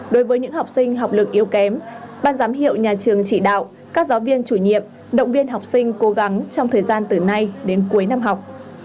đối với những học sinh học lực yếu kém ban giám hiệu nhà trường chỉ đạo các giáo viên chủ nhiệm động viên học sinh cố gắng trong thời gian từ nay đến cuối năm học